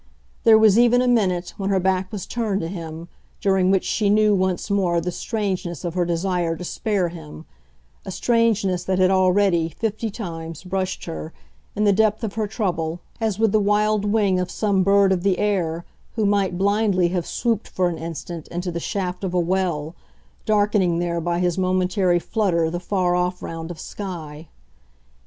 There was even a minute, when her back was turned to him, during which she knew once more the strangeness of her desire to spare him, a strangeness that had already, fifty times, brushed her, in the depth of her trouble, as with the wild wing of some bird of the air who might blindly have swooped for an instant into the shaft of a well, darkening there by his momentary flutter the far off round of sky.